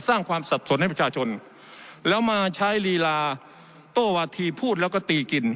สร้างความสับสนให้ประชาชนแล้วมาใช้ลีลาโต้วาธีพูดแล้วก็ตีกิน